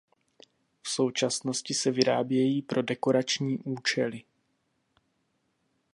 V současnosti se vyrábějí pro dekorační účely.